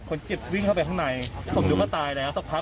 คนเจ็บวิ่งเข้าไปข้างในผมอยู่ก็ตายแล้ว